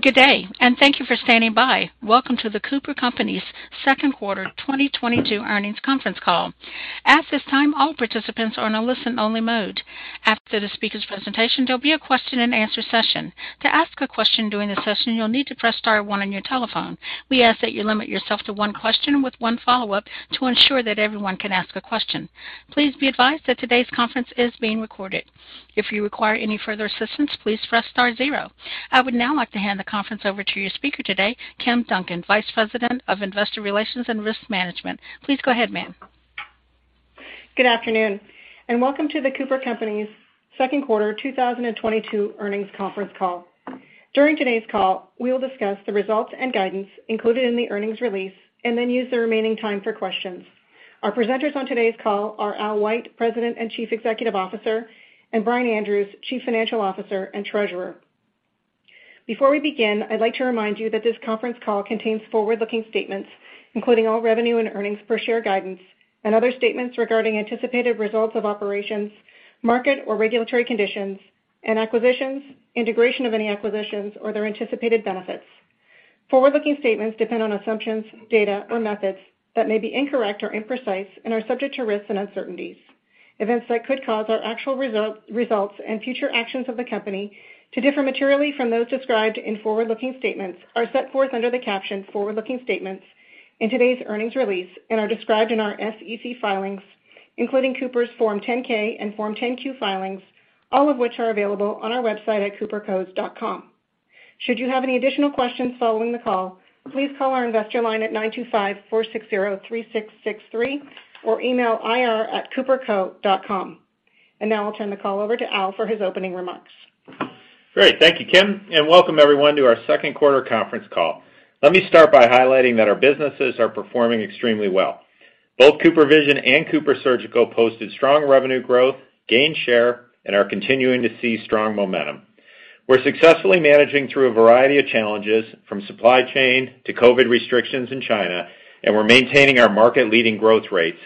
Good day, and thank you for standing by. Welcome to The Cooper Companies second quarter 2022 earnings conference call. At this time, all participants are in a listen only mode. After the speaker's presentation, there'll be a question and answer session. To ask a question during the session, you'll need to press star one on your telephone. We ask that you limit yourself to one question with one follow-up to ensure that everyone can ask a question. Please be advised that today's conference is being recorded. If you require any further assistance, please press star zero. I would now like to hand the conference over to your speaker today, Kim Duncan, Vice President of Investor Relations and Risk Management. Please go ahead, ma'am. Good afternoon and welcome to The Cooper Companies second quarter 2022 earnings conference call. During today's call, we will discuss the results and guidance included in the earnings release and then use the remaining time for questions. Our presenters on today's call are Al White, President and Chief Executive Officer, and Brian Andrews, Chief Financial Officer and Treasurer. Before we begin, I'd like to remind you that this conference call contains forward-looking statements, including all revenue and earnings per share guidance and other statements regarding anticipated results of operations, market or regulatory conditions and acquisitions, integration of any acquisitions, or their anticipated benefits. Forward-looking statements depend on assumptions, data or methods that may be incorrect or imprecise and are subject to risks and uncertainties. Events that could cause our actual result, results and future actions of the company to differ materially from those described in forward-looking statements are set forth under the caption Forward-Looking Statements in today's earnings release and are described in our SEC filings, including Cooper's Form 10-K and Form 10-Q filings, all of which are available on our website at coopercos.com. Should you have any additional questions following the call, please call our investor line at 925-460-3663 or email ir@coopercos.com. Now I'll turn the call over to Al for his opening remarks. Great. Thank you, Kim, and welcome everyone to our second quarter conference call. Let me start by highlighting that our businesses are performing extremely well. Both CooperVision and CooperSurgical posted strong revenue growth, gained share, and are continuing to see strong momentum. We're successfully managing through a variety of challenges, from supply chain to COVID restrictions in China, and we're maintaining our market leading growth rates.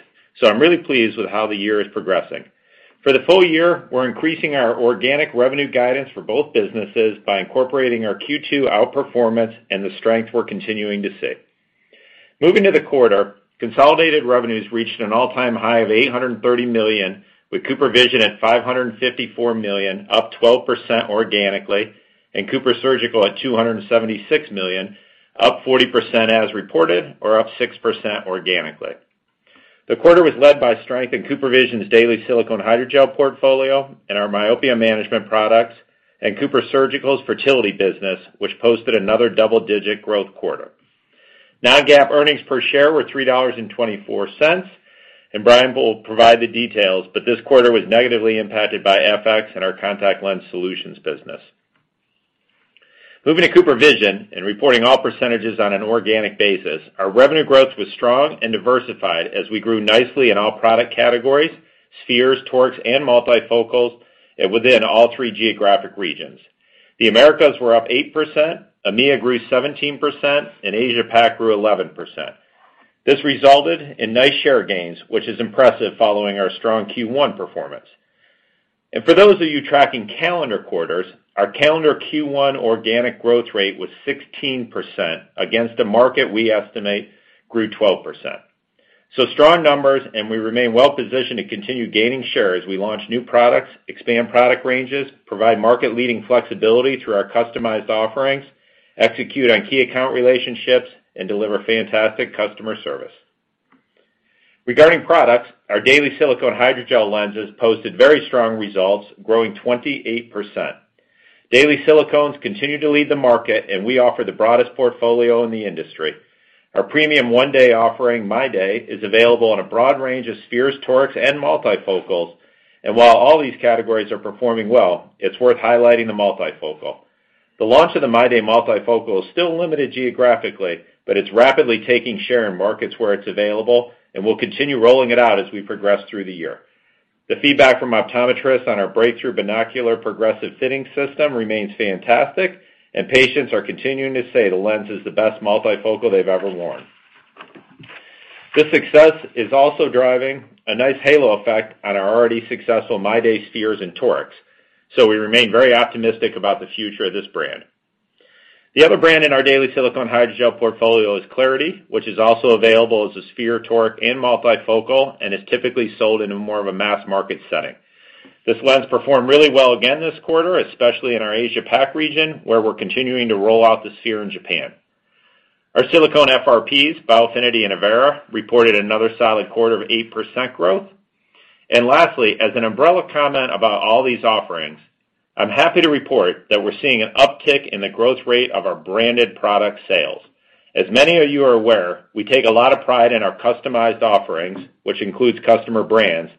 I'm really pleased with how the year is progressing. For the full year, we're increasing our organic revenue guidance for both businesses by incorporating our Q2 outperformance and the strength we're continuing to see. Moving to the quarter, consolidated revenues reached an all-time high of $830 million, with CooperVision at $554 million, up 12% organically, and CooperSurgical at $276 million, up 40% as reported or up 6% organically. The quarter was led by strength in CooperVision's daily silicone hydrogel portfolio and our myopia management products, and CooperSurgical's fertility business, which posted another double-digit growth quarter. Non-GAAP earnings per share were $3.24, and Brian will provide the details, but this quarter was negatively impacted by FX and our contact lens solutions business. Moving to CooperVision and reporting all percentages on an organic basis, our revenue growth was strong and diversified as we grew nicely in all product categories, spheres, torics, and multifocals, and within all three geographic regions. The Americas were up 8%, EMEA grew 17%, and Asia Pac grew 11%. This resulted in nice share gains, which is impressive following our strong Q1 performance. For those of you tracking calendar quarters, our calendar Q1 organic growth rate was 16% against a market we estimate grew 12%. Strong numbers and we remain well positioned to continue gaining share as we launch new products, expand product ranges, provide market leading flexibility through our customized offerings, execute on key account relationships, and deliver fantastic customer service. Regarding products, our daily silicone hydrogel lenses posted very strong results, growing 28%. Daily silicones continue to lead the market, and we offer the broadest portfolio in the industry. Our premium one-day offering, MyDay, is available in a broad range of spheres, torics, and multifocals. While all these categories are performing well, it's worth highlighting the multifocal. The launch of the MyDay multifocal is still limited geographically, but it's rapidly taking share in markets where it's available and we'll continue rolling it out as we progress through the year. The feedback from optometrists on our breakthrough Binocular Progressive System remains fantastic, and patients are continuing to say the lens is the best multifocal they've ever worn. This success is also driving a nice halo effect on our already successful MyDay spheres and torics, so we remain very optimistic about the future of this brand. The other brand in our daily silicone hydrogel portfolio is clariti, which is also available as a sphere, toric, and multifocal, and is typically sold in more of a mass market setting. This lens performed really well again this quarter, especially in our Asia Pac region, where we're continuing to roll out the sphere in Japan. Our silicone FRPs, Biofinity and Avaira, reported another solid quarter of 8% growth. Lastly, as an umbrella comment about all these offerings, I'm happy to report that we're seeing an uptick in the growth rate of our branded product sales. As many of you are aware, we take a lot of pride in our customized offerings, which includes customer brands,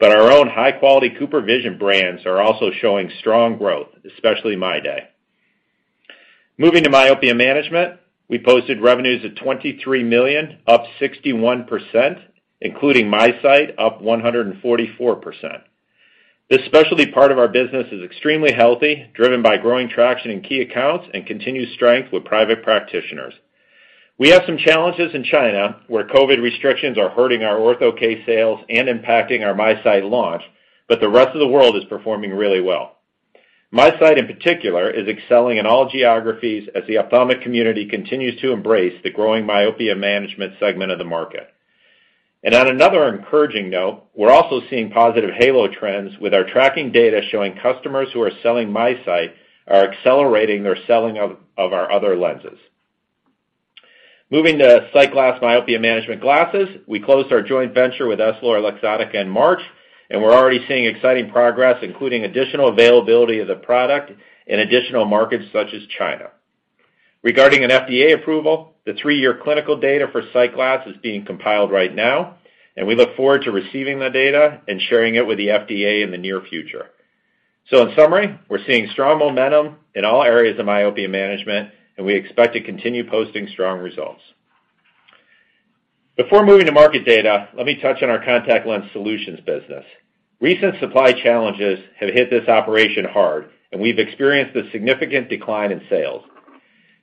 but our own high-quality CooperVision brands are also showing strong growth, especially MyDay. Moving to myopia management. We posted revenues of $23 million, up 61%, including MiSight up 144%. This specialty part of our business is extremely healthy, driven by growing traction in key accounts and continued strength with private practitioners. We have some challenges in China where COVID restrictions are hurting our Ortho-K sales and impacting our MiSight launch, but the rest of the world is performing really well. MiSight in particular is excelling in all geographies as the ophthalmic community continues to embrace the growing myopia management segment of the market. On another encouraging note, we're also seeing positive halo trends with our tracking data showing customers who are selling MiSight are accelerating their selling of our other lenses. Moving to SightGlass myopia management glasses, we closed our joint venture with EssilorLuxottica in March, and we're already seeing exciting progress, including additional availability of the product in additional markets such as China. Regarding an FDA approval, the three-year clinical data for SightGlass is being compiled right now, and we look forward to receiving the data and sharing it with the FDA in the near future. In summary, we're seeing strong momentum in all areas of myopia management, and we expect to continue posting strong results. Before moving to market data, let me touch on our contact lens solutions business. Recent supply challenges have hit this operation hard, and we've experienced a significant decline in sales.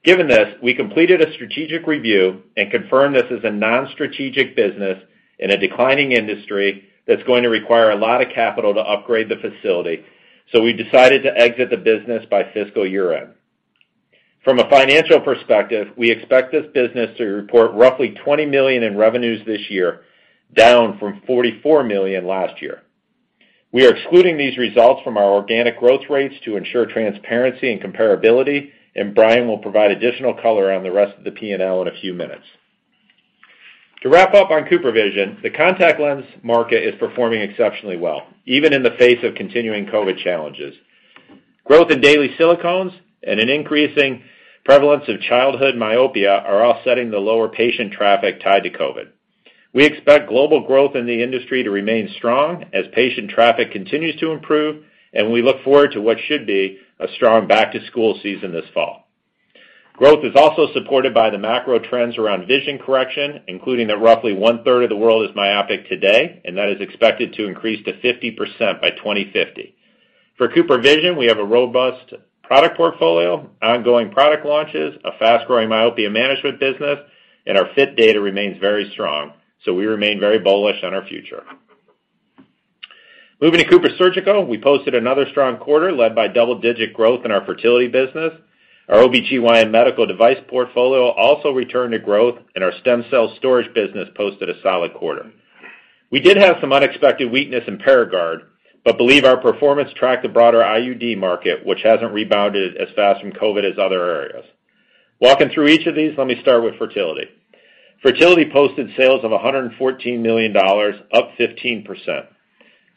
Given this, we completed a strategic review and confirmed this is a non-strategic business in a declining industry that's going to require a lot of capital to upgrade the facility, so we decided to exit the business by fiscal year-end. From a financial perspective, we expect this business to report roughly $20 million in revenues this year, down from $44 million last year. We are excluding these results from our organic growth rates to ensure transparency and comparability, and Brian will provide additional color on the rest of the P&L in a few minutes. To wrap up on CooperVision, the contact lens market is performing exceptionally well, even in the face of continuing COVID challenges. Growth in daily silicones and an increasing prevalence of childhood myopia are offsetting the lower patient traffic tied to COVID. We expect global growth in the industry to remain strong as patient traffic continues to improve, and we look forward to what should be a strong back-to-school season this fall. Growth is also supported by the macro trends around vision correction, including that roughly one-third of the world is myopic today, and that is expected to increase to 50% by 2050. For CooperVision, we have a robust product portfolio, ongoing product launches, a fast-growing myopia management business, and our fit data remains very strong, so we remain very bullish on our future. Moving to CooperSurgical, we posted another strong quarter led by double-digit growth in our fertility business. Our OBGYN medical device portfolio also returned to growth, and our stem cell storage business posted a solid quarter. We did have some unexpected weakness in Paragard, but believe our performance tracked the broader IUD market, which hasn't rebounded as fast from COVID as other areas. Walking through each of these, let me start with fertility. Fertility posted sales of $114 million, up 15%.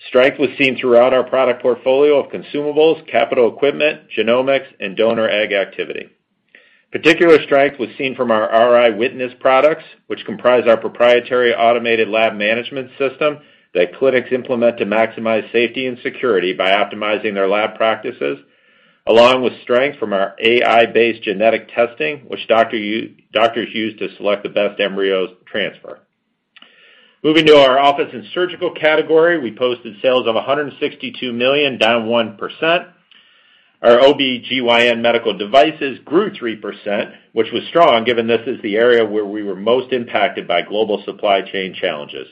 Strength was seen throughout our product portfolio of consumables, capital equipment, genomics, and donor egg activity. Particular strength was seen from our RI Witness products, which comprise our proprietary automated lab management system that clinics implement to maximize safety and security by optimizing their lab practices, along with strength from our AI-based genetic testing, which doctors use to select the best embryos to transfer. Moving to our office and surgical category, we posted sales of $162 million, down 1%. Our OBGYN medical devices grew 3%, which was strong given this is the area where we were most impacted by global supply chain challenges.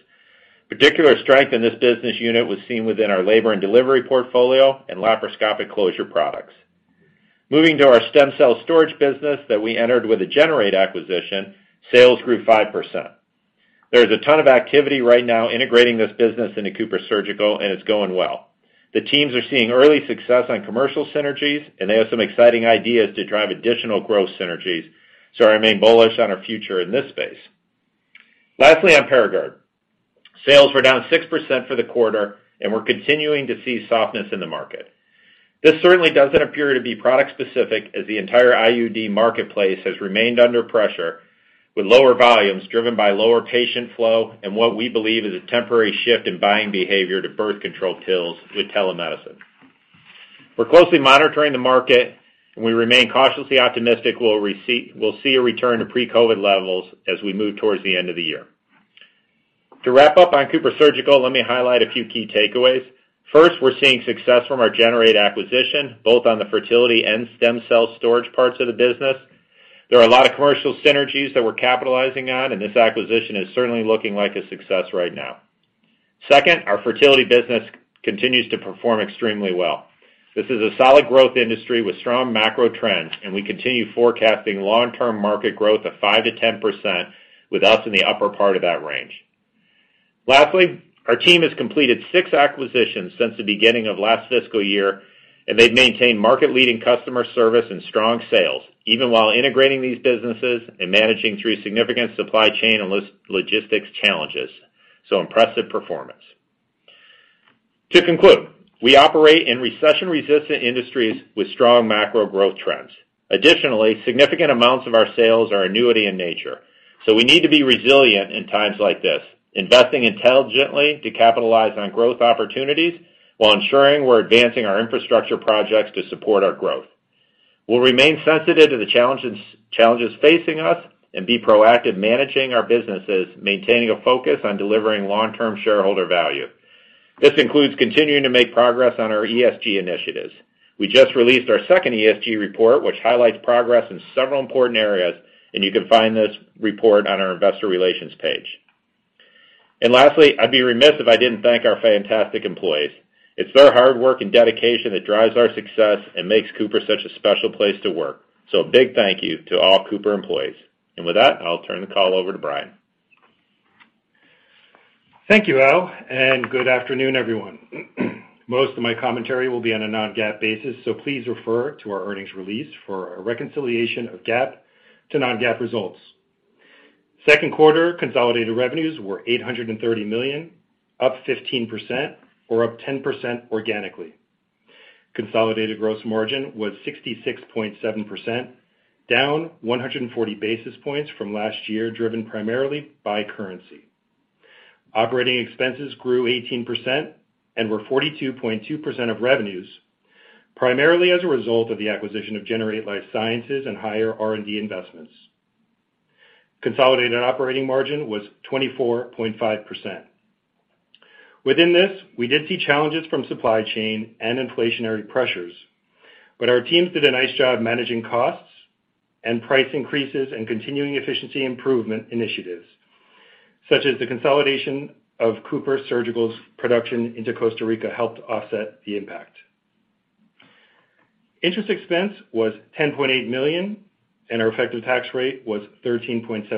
Particular strength in this business unit was seen within our labor and delivery portfolio and laparoscopic closure products. Moving to our stem cell storage business that we entered with the Generate acquisition, sales grew 5%. There is a ton of activity right now integrating this business into CooperSurgical, and it's going well. The teams are seeing early success on commercial synergies, and they have some exciting ideas to drive additional growth synergies, so I remain bullish on our future in this space. Lastly, on Paragard, sales were down 6% for the quarter, and we're continuing to see softness in the market. This certainly doesn't appear to be product specific as the entire IUD marketplace has remained under pressure with lower volumes driven by lower patient flow and what we believe is a temporary shift in buying behavior to birth control pills with telemedicine. We're closely monitoring the market, and we remain cautiously optimistic we'll see a return to pre-COVID levels as we move towards the end of the year. To wrap up on CooperSurgical, let me highlight a few key takeaways. First, we're seeing success from our Generate acquisition, both on the fertility and stem cell storage parts of the business. There are a lot of commercial synergies that we're capitalizing on, and this acquisition is certainly looking like a success right now. Second, our fertility business continues to perform extremely well. This is a solid growth industry with strong macro trends, and we continue forecasting long-term market growth of 5%-10% with us in the upper part of that range. Lastly, our team has completed 6 acquisitions since the beginning of last fiscal year, and they've maintained market-leading customer service and strong sales, even while integrating these businesses and managing through significant supply chain and logistics challenges, so impressive performance. To conclude, we operate in recession-resistant industries with strong macro growth trends. Additionally, significant amounts of our sales are annuity in nature, so we need to be resilient in times like this, investing intelligently to capitalize on growth opportunities while ensuring we're advancing our infrastructure projects to support our growth. We'll remain sensitive to the challenges facing us and be proactive managing our businesses, maintaining a focus on delivering long-term shareholder value. This includes continuing to make progress on our ESG initiatives. We just released our second ESG report, which highlights progress in several important areas, and you can find this report on our investor relations page. Lastly, I'd be remiss if I didn't thank our fantastic employees. It's their hard work and dedication that drives our success and makes Cooper such a special place to work. A big thank you to all Cooper employees. With that, I'll turn the call over to Brian. Thank you, Al, and good afternoon, everyone. Most of my commentary will be on a non-GAAP basis, so please refer to our earnings release for a reconciliation of GAAP to non-GAAP results. Second quarter consolidated revenues were $830 million, up 15% or up 10% organically. Consolidated gross margin was 66.7%, down 140 basis points from last year, driven primarily by currency. Operating expenses grew 18% and were 42.2% of revenues, primarily as a result of the acquisition of Generate Life Sciences and higher R&D investments. Consolidated operating margin was 24.5%. Within this, we did see challenges from supply chain and inflationary pressures, but our teams did a nice job managing costs and price increases and continuing efficiency improvement initiatives, such as the consolidation of CooperSurgical's production into Costa Rica helped offset the impact. Interest expense was $10.8 million, and our effective tax rate was 13.7%.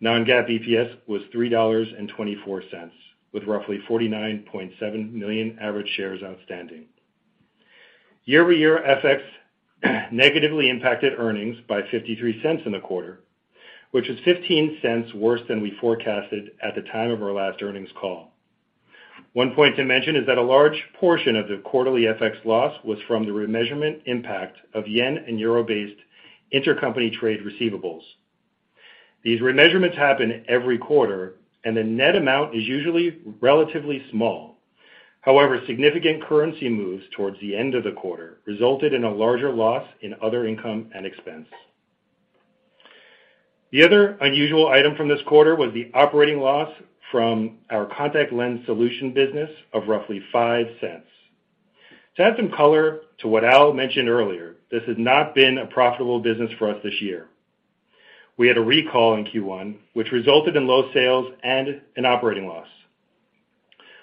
Non-GAAP EPS was $3.24, with roughly 49.7 million average shares outstanding. Year-over-year, FX negatively impacted earnings by $0.53 in the quarter, which is $0.15 worse than we forecasted at the time of our last earnings call. One point to mention is that a large portion of the quarterly FX loss was from the remeasurement impact of yen and euro-based intercompany trade receivables. These remeasurements happen every quarter, and the net amount is usually relatively small. However, significant currency moves towards the end of the quarter resulted in a larger loss in other income and expense. The other unusual item from this quarter was the operating loss from our contact lens solution business of roughly $0.05. To add some color to what Al mentioned earlier, this has not been a profitable business for us this year. We had a recall in Q1, which resulted in low sales and an operating loss.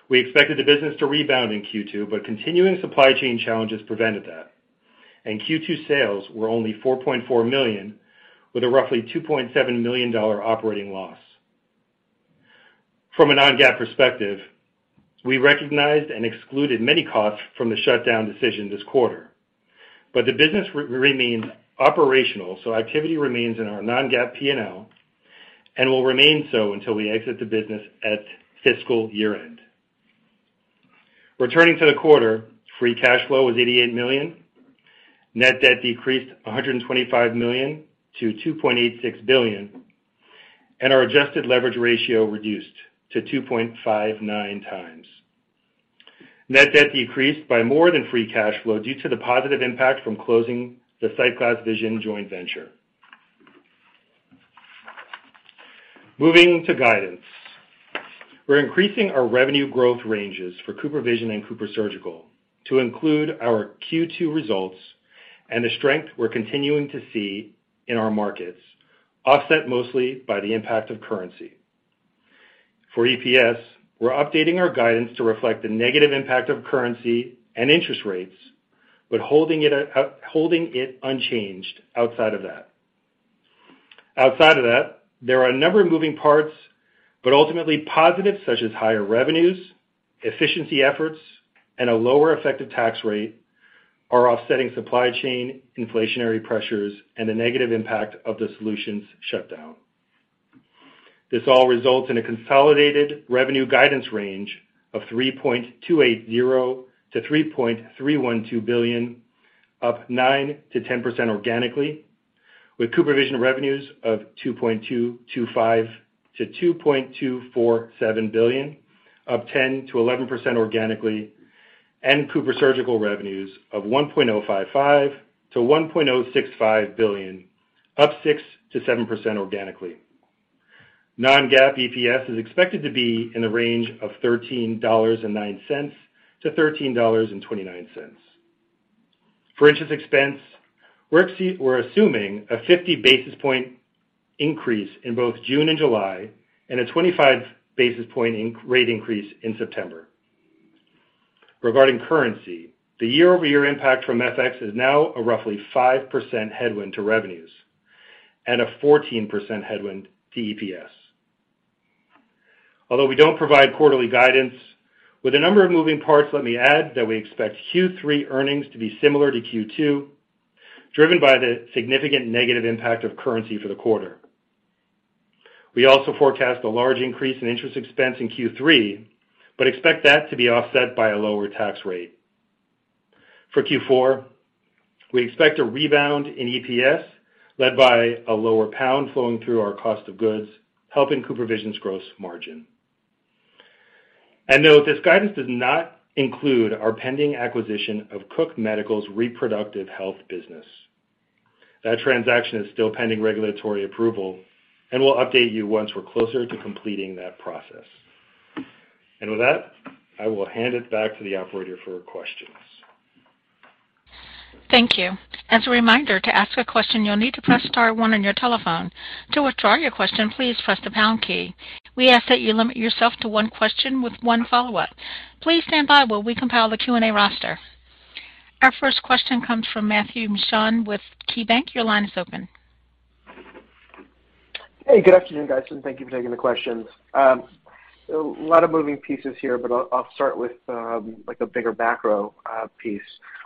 We expected the business to rebound in Q2, but continuing supply chain challenges prevented that, and Q2 sales were only $4.4 million, with a roughly $2.7 million operating loss. From a non-GAAP perspective, we recognized and excluded many costs from the shutdown decision this quarter, but the business remains operational, so activity remains in our non-GAAP P&L and will remain so until we exit the business at fiscal year-end. Returning to the quarter, free cash flow was $88 million. Net debt decreased $125 million to $2.86 billion, and our adjusted leverage ratio reduced to 2.59 times. Net debt decreased by more than free cash flow due to the positive impact from closing the SightGlass Vision joint venture. Moving to guidance. We're increasing our revenue growth ranges for CooperVision and CooperSurgical to include our Q2 results and the strength we're continuing to see in our markets, offset mostly by the impact of currency. For EPS, we're updating our guidance to reflect the negative impact of currency and interest rates, but holding it unchanged outside of that. Outside of that, there are a number of moving parts, but ultimately positive, such as higher revenues, efficiency efforts, and a lower effective tax rate are offsetting supply chain inflationary pressures and the negative impact of the solutions shutdown. This all results in a consolidated revenue guidance range of $3.280 billion-$3.312 billion, up 9%-10% organically, with CooperVision revenues of $2.225 billion-$2.247 billion, up 10%-11% organically, and CooperSurgical revenues of $1.055 billion-$1.065 billion, up 6%-7% organically. Non-GAAP EPS is expected to be in the range of $13.09-$13.29. For interest expense, we're still assuming a 50 basis point increase in both June and July, and a 25 basis point rate increase in September. Regarding currency, the year-over-year impact from FX is now a roughly 5% headwind to revenues and a 14% headwind to EPS. Although we don't provide quarterly guidance, with a number of moving parts, let me add that we expect Q3 earnings to be similar to Q2, driven by the significant negative impact of currency for the quarter. We also forecast a large increase in interest expense in Q3, but expect that to be offset by a lower tax rate. For Q4, we expect a rebound in EPS led by a lower pound flowing through our cost of goods, helping CooperVision's gross margin. Note, this guidance does not include our pending acquisition of Cook Medical's reproductive health business. That transaction is still pending regulatory approval, and we'll update you once we're closer to completing that process. With that, I will hand it back to the operator for questions. Thank you. As a reminder, to ask a question, you'll need to press star one on your telephone. To withdraw your question, please press the pound key. We ask that you limit yourself to one question with one follow-up. Please stand by while we compile the Q&A roster. Our first question comes from Matthew Mishan with KeyBank. Your line is open. Hey, good afternoon, guys, and thank you for taking the questions. A lot of moving pieces here, but I'll start with like a bigger macro piece.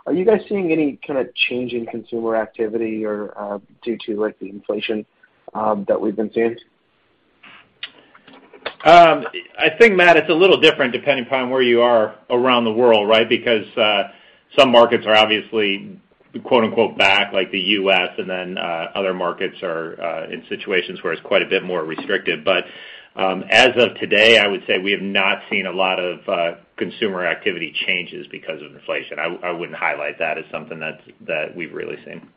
Are you guys seeing any kind of change in consumer activity or due to like the inflation that we've been seeing? I think, Matt, it's a little different depending upon where you are around the world, right? Some markets are obviously quote-unquote back, like the U.S., and then other markets are in situations where it's quite a bit more restrictive. As of today, I would say we have not seen a lot of consumer activity changes because of inflation. I wouldn't highlight that as something that we've really seen.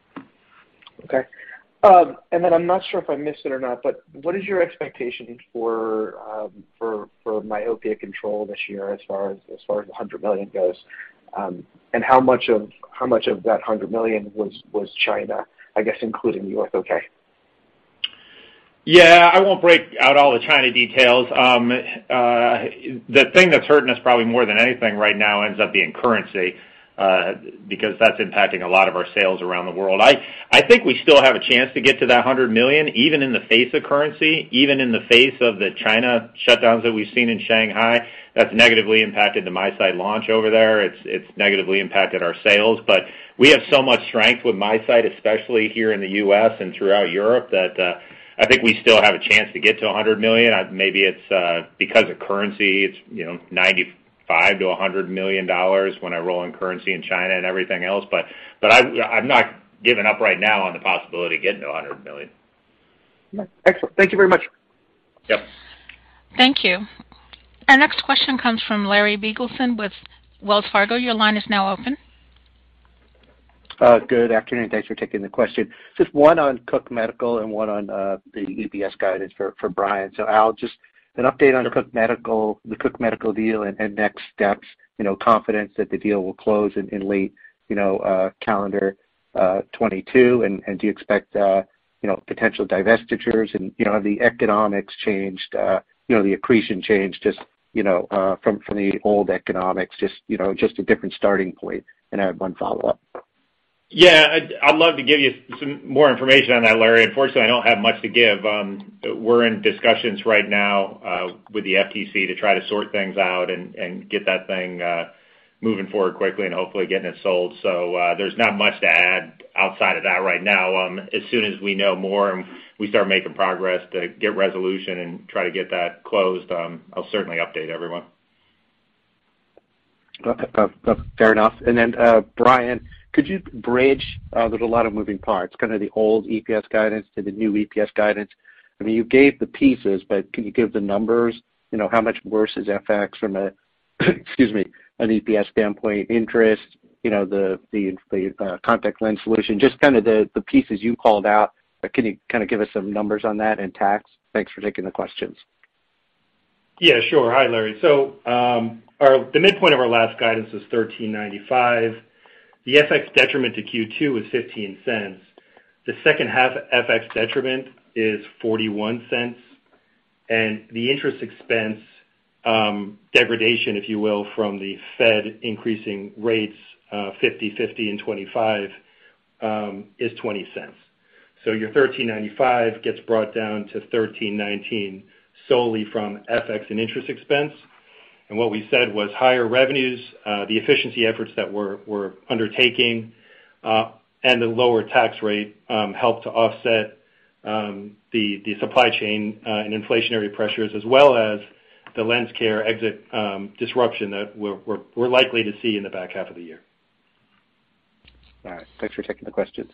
I'm not sure if I missed it or not, but what is your expectation for myopia control this year as far as the $100 million goes? How much of that $100 million was China, I guess, including U.S., okay? Yeah, I won't break out all the China details. The thing that's hurting us probably more than anything right now ends up being currency, because that's impacting a lot of our sales around the world. I think we still have a chance to get to that $100 million, even in the face of currency, even in the face of the China shutdowns that we've seen in Shanghai. That's negatively impacted the MiSight launch over there. It's negatively impacted our sales. We have so much strength with MiSight, especially here in the U.S. and throughout Europe, that I think we still have a chance to get to a $100 million. Maybe it's because of currency. It's you know, $95 million-$100 million when I roll in currency in China and everything else, but I'm not giving up right now on the possibility of getting to $100 million. Excellent. Thank you very much. Yep. Thank you. Our next question comes from Larry Biegelsen with Wells Fargo. Your line is now open. Good afternoon. Thanks for taking the question. Just one on Cook Medical and one on the EPS guidance for Brian. Al, just an update on the Cook Medical deal and next steps, you know, confidence that the deal will close in late, you know, calendar 2022. Do you expect, you know, potential divestitures? You know, have the economics changed, you know, the accretion changed just, you know, from the old economics, just, you know, just a different starting point. I have one follow-up. Yeah. I'd love to give you some more information on that, Larry. Unfortunately, I don't have much to give. We're in discussions right now with the FTC to try to sort things out and get that thing moving forward quickly and hopefully getting it sold. There's not much to add outside of that right now. As soon as we know more and we start making progress to get resolution and try to get that closed, I'll certainly update everyone. Fair enough. Then, Brian, could you bridge, there's a lot of moving parts, kind of the old EPS guidance to the new EPS guidance. I mean, you gave the pieces, but can you give the numbers? You know, how much worse is FX from an EPS standpoint, interest, you know, the contact lens solution, just kind of the pieces you called out. Can you kind of give us some numbers on that and tax? Thanks for taking the questions. Yeah, sure. Hi, Larry. The midpoint of our last guidance was $13.95. The FX detriment to Q2 was $0.15. The second half FX detriment is $0.41. The interest expense degradation, if you will, from the Fed increasing rates 50, and 25 is $0.20. Your $13.95 gets brought down to $13.19 solely from FX and interest expense. What we said was higher revenues, the efficiency efforts that we're undertaking, and the lower tax rate helped to offset the supply chain and inflationary pressures, as well as the lens care exit disruption that we're likely to see in the back half of the year. All right. Thanks for taking the questions.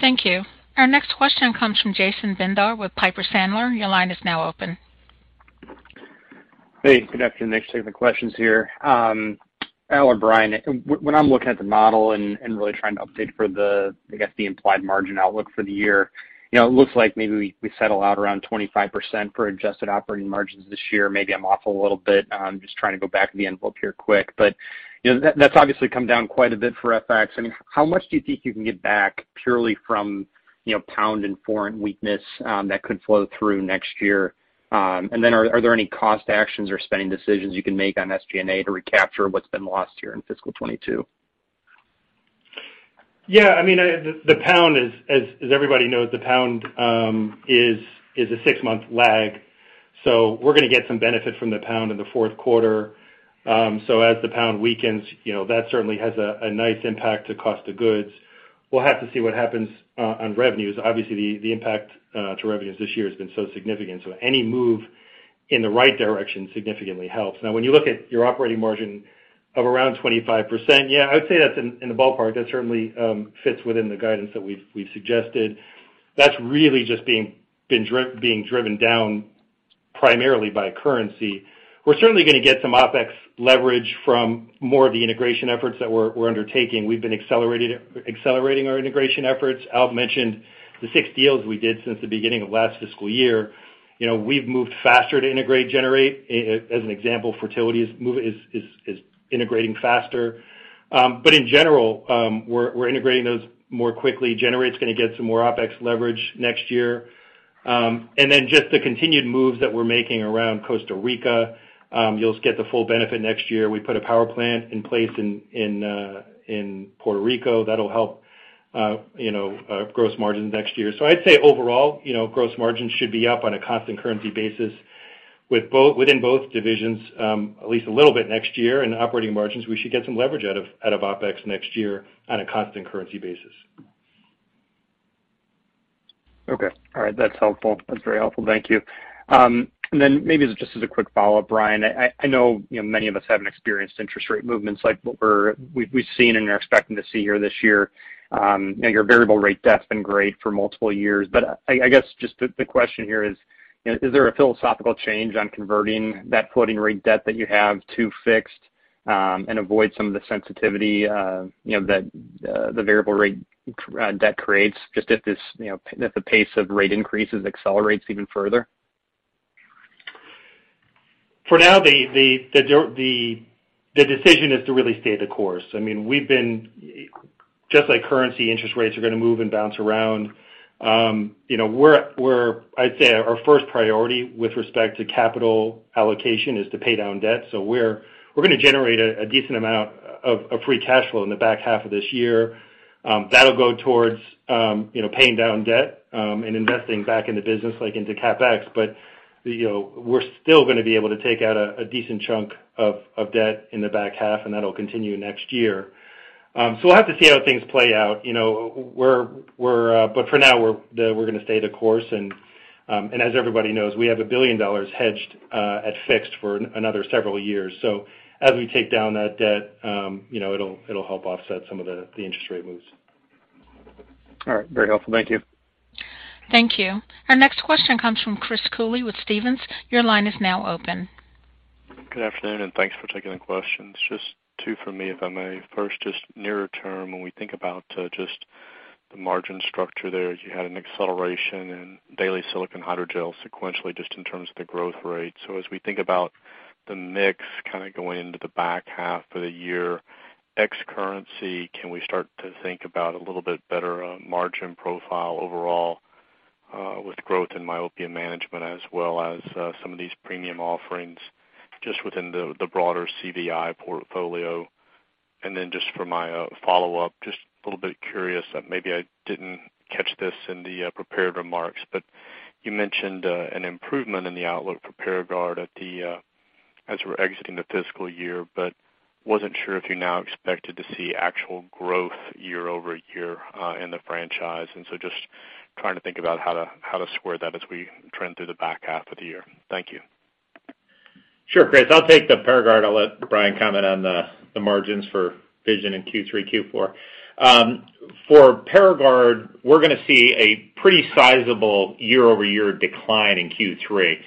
Thank you. Our next question comes from Jason Bednar with Piper Sandler. Your line is now open. Hey, good afternoon. Thanks for taking the questions here. Al or Brian, when I'm looking at the model and really trying to update for, I guess, the implied margin outlook for the year, you know, it looks like maybe we settle out around 25% for adjusted operating margins this year. Maybe I'm off a little bit. I'm just trying to go back to the envelope here quick. You know, that's obviously come down quite a bit for FX. I mean, how much do you think you can get back purely from, you know, pound and foreign weakness that could flow through next year? And then are there any cost actions or spending decisions you can make on SG&A to recapture what's been lost here in fiscal 2022? Yeah, I mean, the pound is, as everybody knows, the pound is a six-month lag. We're gonna get some benefit from the pound in the fourth quarter. As the pound weakens, you know, that certainly has a nice impact to cost of goods. We'll have to see what happens on revenues. Obviously, the impact to revenues this year has been so significant, any move in the right direction significantly helps. Now, when you look at your operating margin of around 25%, yeah, I would say that's in the ballpark. That certainly fits within the guidance that we've suggested. That's really just being driven down primarily by currency. We're certainly gonna get some OpEx leverage from more of the integration efforts that we're undertaking. We've been accelerating our integration efforts. Alf mentioned the 6 deals we did since the beginning of last fiscal year. You know, we've moved faster to integrate Generate. As an example, fertility is integrating faster. But in general, we're integrating those more quickly. Generate's gonna get some more OpEx leverage next year. And then just the continued moves that we're making around Costa Rica, you'll get the full benefit next year. We put a power plant in place in Puerto Rico that'll help, you know, gross margin next year. So I'd say overall, you know, gross margin should be up on a constant currency basis within both divisions, at least a little bit next year. Operating margins, we should get some leverage out of OpEx next year on a constant currency basis. Okay. All right. That's helpful. That's very helpful. Thank you. Then maybe just as a quick follow-up, Brian, I know, you know, many of us haven't experienced interest rate movements like what we've seen and are expecting to see here this year. You know, your variable rate debt's been great for multiple years, but I guess just the question here is, you know, is there a philosophical change on converting that floating rate debt that you have to fixed and avoid some of the sensitivity, you know, that the variable rate debt creates, just if this, you know, if the pace of rate increases accelerates even further? For now, the decision is to really stay the course. I mean, just like currency, interest rates are gonna move and bounce around. You know, I'd say our first priority with respect to capital allocation is to pay down debt. We're gonna generate a decent amount of free cash flow in the back half of this year, that'll go towards, you know, paying down debt, and investing back in the business, like into CapEx. You know, we're still gonna be able to take out a decent chunk of debt in the back half, and that'll continue next year. We'll have to see how things play out. You know, for now, we're gonna stay the course. As everybody knows, we have $1 billion hedged at fixed for another several years. As we take down that debt, you know, it'll help offset some of the interest rate moves. All right. Very helpful. Thank you. Thank you. Our next question comes from Chris Cooley with Stephens. Your line is now open. Good afternoon, and thanks for taking the questions. Just two from me, if I may. First, just nearer term, when we think about just the margin structure there, you had an acceleration in daily silicone hydrogel sequentially just in terms of the growth rate. As we think about the mix kinda going into the back half of the year, ex currency, can we start to think about a little bit better margin profile overall with growth in myopia management as well as some of these premium offerings just within the broader CooperVision portfolio? Just for my follow-up, just a little bit curious, maybe I didn't catch this in the prepared remarks, but you mentioned an improvement in the outlook for Paragard as we're exiting the fiscal year, but wasn't sure if you now expected to see actual growth year over year in the franchise. Just trying to think about how to square that as we trend through the back half of the year. Thank you. Sure, Chris. I'll take the Paragard. I'll let Brian comment on the margins for vision in Q3, Q4. For Paragard, we're gonna see a pretty sizable year-over-year decline in Q3.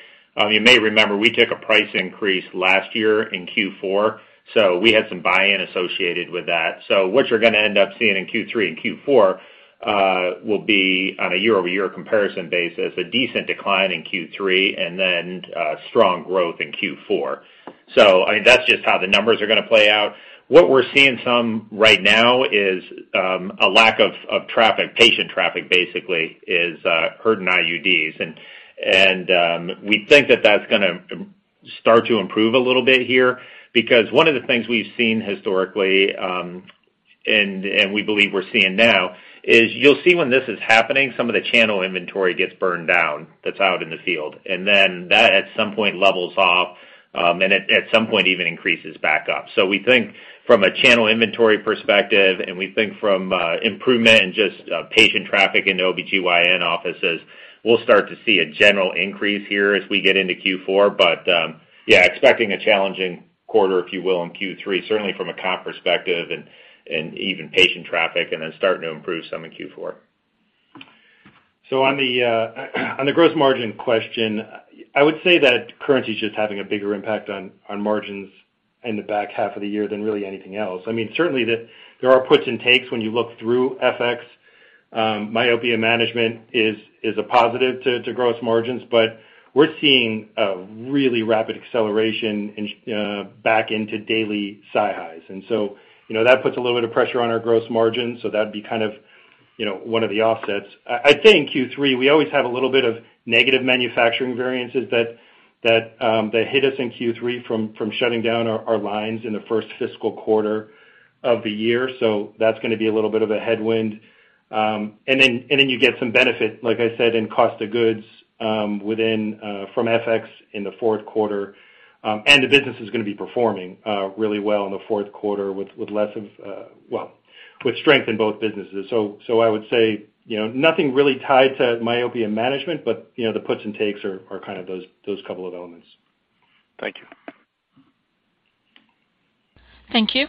You may remember we took a price increase last year in Q4, so we had some buy-in associated with that. What you're gonna end up seeing in Q3 and Q4 will be on a year-over-year comparison basis, a decent decline in Q3 and then strong growth in Q4. I mean, that's just how the numbers are gonna play out. What we're seeing right now is a lack of traffic, patient traffic basically is hormonal IUDs. We think that that's gonna start to improve a little bit here because one of the things we've seen historically, and we believe we're seeing now is you'll see when this is happening, some of the channel inventory gets burned down that's out in the field, and then that at some point levels off, and at some point even increases back up. We think from a channel inventory perspective and we think from improvement in just patient traffic in OBGYN offices, we'll start to see a general increase here as we get into Q4. Yeah, expecting a challenging quarter, if you will, in Q3, certainly from a comp perspective and even patient traffic, and then starting to improve some in Q4. On the gross margin question, I would say that currency is just having a bigger impact on margins in the back half of the year than really anything else. I mean, certainly there are puts and takes when you look through FX. Myopia management is a positive to gross margins, but we're seeing a really rapid acceleration in the shift back into daily SiHy's. You know, that puts a little bit of pressure on our gross margin. That'd be kind of one of the offsets. I'd say in Q3, we always have a little bit of negative manufacturing variances that hit us in Q3 from shutting down our lines in the first fiscal quarter of the year. That's gonna be a little bit of a headwind. You get some benefit, like I said, in cost of goods within from FX in the fourth quarter. The business is gonna be performing really well in the fourth quarter with strength in both businesses. I would say, you know, nothing really tied to myopia management, but, you know, the puts and takes are kind of those couple of elements. Thank you. Thank you.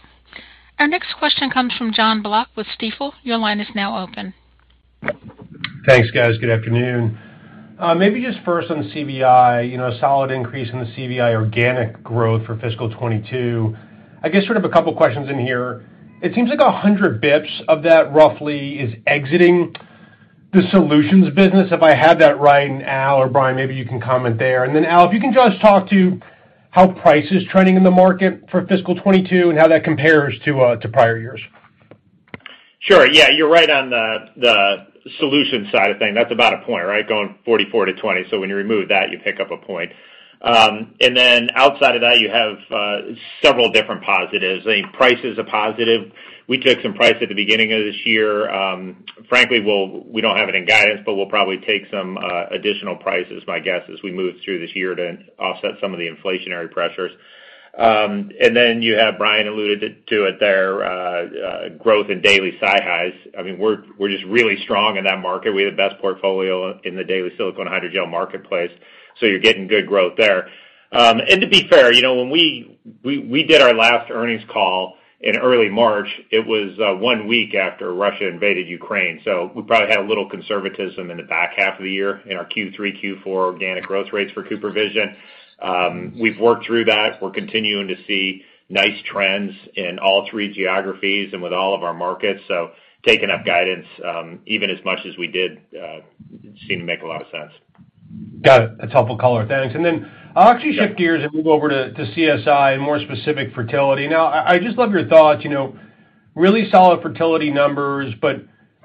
Our next question comes from Jonathan Block with Stifel. Your line is now open. Thanks, guys. Good afternoon. Maybe just first on CooperVision, you know, solid increase in the CooperVision organic growth for fiscal 2022. I guess sort of a couple questions in here. It seems like 100 basis points of that roughly is exiting the solutions business, if I have that right. Al or Brian, maybe you can comment there. Al, if you can just talk to how price is trending in the market for fiscal 2022 and how that compares to prior years. Sure. Yeah, you're right on the solutions side of things. That's about a point, right? Going 44%-20%. When you remove that, you pick up a point. Outside of that, you have several different positives. I think prices are positive. We took some price at the beginning of this year. Frankly, we don't have it in guidance, but we'll probably take some additional prices, my guess, as we move through this year to offset some of the inflationary pressures. You have Brian alluded to it there, growth in daily SiHy. I mean, we're just really strong in that market. We have the best portfolio in the daily silicone hydrogel marketplace, so you're getting good growth there. To be fair, you know, when we did our last earnings call in early March, it was one week after Russia invaded Ukraine. We probably had a little conservatism in the back half of the year in our Q3, Q4 organic growth rates for CooperVision. We've worked through that. We're continuing to see nice trends in all three geographies and with all of our markets. Taking up guidance, even as much as we did, seemed to make a lot of sense. Got it. That's helpful color. Thanks. I'll actually shift gears and move over to CooperSurgical and more specific fertility. Now I just love your thoughts, you know, really solid fertility numbers, but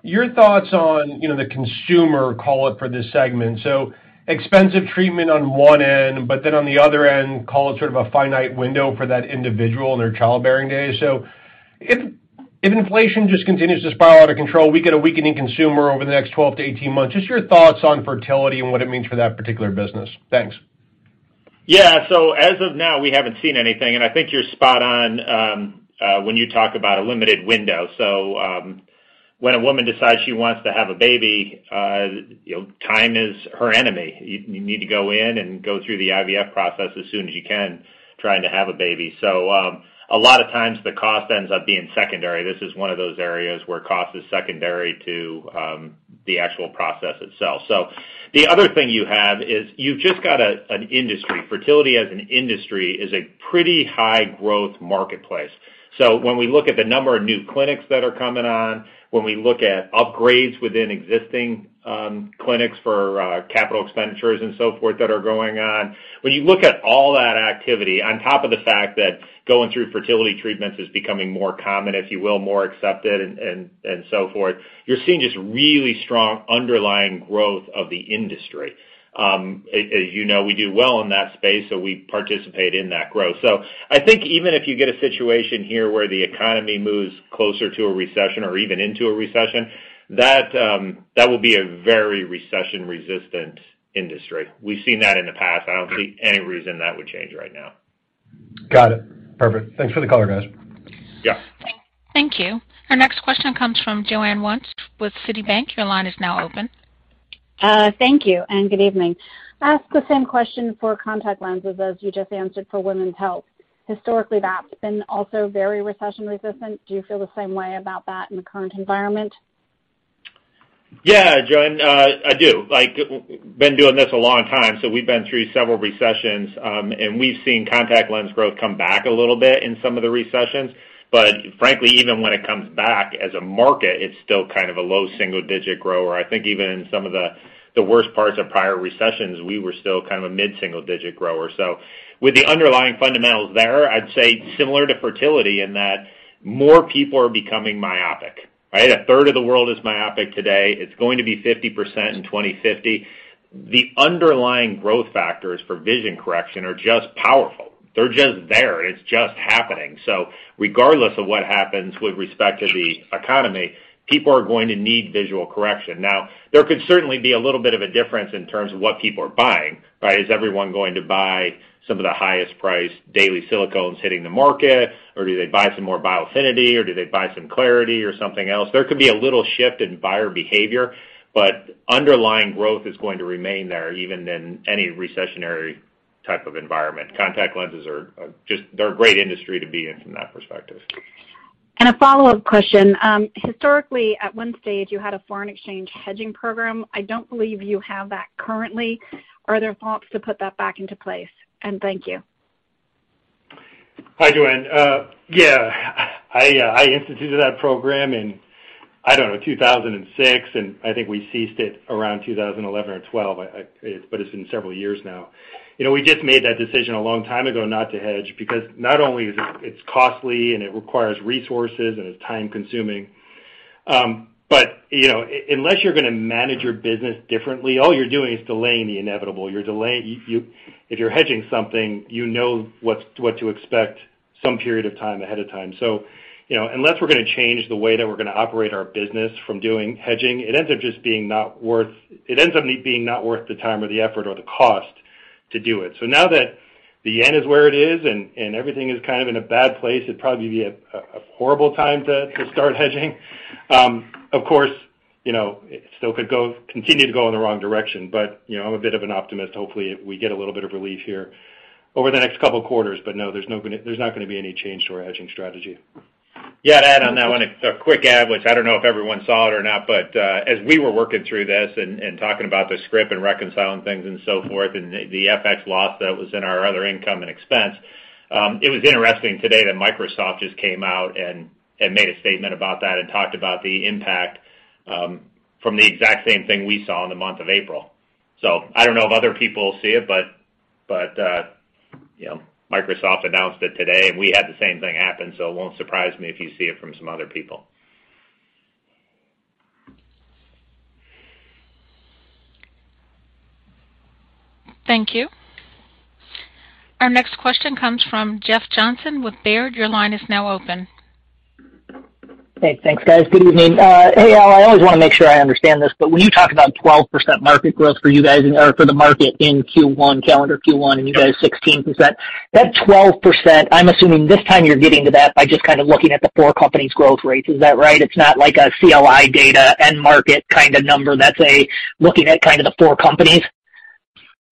your thoughts on, you know, the consumer call it for this segment, so expensive treatment on one end, but then on the other end, call it sort of a finite window for that individual in their childbearing days. If inflation just continues to spiral out of control, we get a weakening consumer over the next 12-18 months, just your thoughts on fertility and what it means for that particular business. Thanks. Yeah. As of now, we haven't seen anything, and I think you're spot on, when you talk about a limited window. When a woman decides she wants to have a baby, you know, time is her enemy. You need to go in and go through the IVF process as soon as you can, trying to have a baby. A lot of times the cost ends up being secondary. This is one of those areas where cost is secondary to, the actual process itself. The other thing you have is you've just got an industry. Fertility as an industry is a pretty high growth marketplace. When we look at the number of new clinics that are coming on, when we look at upgrades within existing clinics for capital expenditures and so forth that are going on, when you look at all that activity on top of the fact that going through fertility treatments is becoming more common, if you will, more accepted and so forth, you're seeing just really strong underlying growth of the industry. As you know, we do well in that space, so we participate in that growth. I think even if you get a situation here where the economy moves closer to a recession or even into a recession, that will be a very recession resistant industry. We've seen that in the past. I don't see any reason that would change right now. Got it. Perfect. Thanks for the color, guys. Yeah. Thank you. Our next question comes from Joanne Wuensch with Citibank. Your line is now open. Thank you, and good evening. Ask the same question for contact lenses as you just answered for women's health. Historically, that's been also very recession resistant. Do you feel the same way about that in the current environment? Yeah, Joanne, I do. Like, been doing this a long time, so we've been through several recessions, and we've seen contact lens growth come back a little bit in some of the recessions. Frankly, even when it comes back as a market, it's still kind of a low single-digit grower. I think even in some of the worst parts of prior recessions, we were still kind of a mid-single-digit grower. With the underlying fundamentals there, I'd say similar to fertility in that more people are becoming myopic, right? A third of the world is myopic today. It's going to be 50% in 2050. The underlying growth factors for vision correction are just powerful. They're just there, and it's just happening. Regardless of what happens with respect to the economy, people are going to need visual correction. Now, there could certainly be a little bit of a difference in terms of what people are buying, right? Is everyone going to buy some of the highest priced daily silicone hitting the market, or do they buy some more Biofinity, or do they buy some clariti or something else? There could be a little shift in buyer behavior, but underlying growth is going to remain there even in any recessionary type of environment. Contact lenses are just, they're a great industry to be in from that perspective. A follow-up question. Historically, at one stage, you had a foreign exchange hedging program. I don't believe you have that currently. Are there thoughts to put that back into place? Thank you. Hi, Joanne. I instituted that program in, I don't know, 2006, and I think we ceased it around 2011 or 2012. It's been several years now. You know, we just made that decision a long time ago not to hedge because not only is it costly and it requires resources and it's time-consuming, but you know, unless you're gonna manage your business differently, all you're doing is delaying the inevitable. If you're hedging something, you know what to expect some period of time ahead of time. You know, unless we're gonna change the way that we're gonna operate our business from doing hedging, it ends up just being not worth the time or the effort or the cost to do it. Now that the yen is where it is and everything is kind of in a bad place, it'd probably be a horrible time to start hedging. Of course- You know, it still could go, continue to go in the wrong direction, but, you know, I'm a bit of an optimist. Hopefully, we get a little bit of relief here over the next couple of quarters. No, there's not gonna be any change to our hedging strategy. Yeah, to add on that one, it's a quick add, which I don't know if everyone saw it or not, but as we were working through this and talking about the script and reconciling things and so forth, and the FX loss that was in our other income and expense, it was interesting today that Microsoft just came out and made a statement about that and talked about the impact from the exact same thing we saw in the month of April. I don't know if other people see it, but you know, Microsoft announced it today, and we had the same thing happen, so it won't surprise me if you see it from some other people. Thank you. Our next question comes from Jeff Johnson with Baird. Your line is now open. Hey, thanks, guys. Good evening. Hey, Al, I always wanna make sure I understand this, but when you talk about 12% market growth for you guys or for the market in Q1, calendar Q1, and you guys 16%. That 12%, I'm assuming this time you're getting to that by just kind of looking at the four companies' growth rates. Is that right? It's not like a CLI data end market kinda number. That's just looking at kind of the four companies?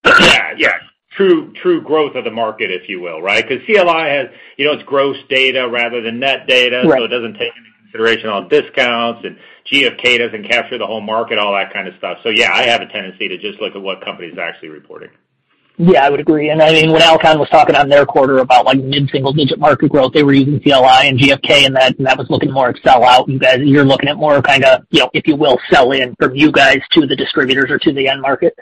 Yeah. Yes. True, true growth of the market, if you will, right? Because CLI has, you know, it's gross data rather than net data. Right. It doesn't take into consideration on discounts, and GfK doesn't capture the whole market, all that kind of stuff. Yeah, I have a tendency to just look at what companies are actually reporting. Yeah, I would agree. I think when Alcon was talking on their quarter about like mid-single-digit market growth, they were using CLI and GfK, and that was looking more at sell out, and guys, you're looking at more kinda, you know, if you will, sell in from you guys to the distributors or to the end market.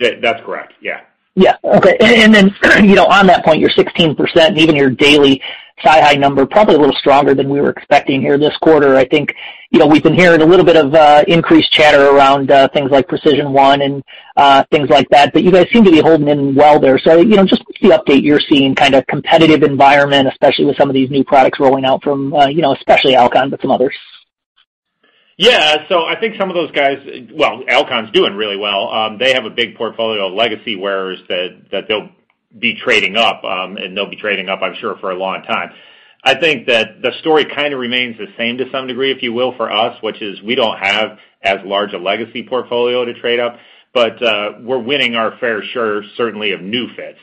That's correct. Yeah. Yeah. Okay. Then, you know, on that point, your 16%, even your daily SiHy number, probably a little stronger than we were expecting here this quarter. I think, you know, we've been hearing a little bit of increased chatter around things like PRECISION1 and things like that. But you guys seem to be holding up well there. You know, just the update you're seeing in the competitive environment, especially with some of these new products rolling out from, you know, especially Alcon, but some others. Yeah. I think some of those guys. Well, Alcon's doing really well. They have a big portfolio of legacy wearers that they'll be trading up, and they'll be trading up, I'm sure, for a long time. I think that the story kind of remains the same to some degree, if you will, for us, which is we don't have as large a legacy portfolio to trade up. We're winning our fair share, certainly of new fits.